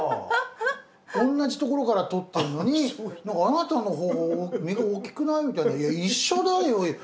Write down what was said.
同じところから取ってんのに「何かあなたの方が実が大きくない？」みたいな「いや一緒だよ！